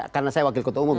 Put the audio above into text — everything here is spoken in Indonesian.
karena saya wakil ketua umum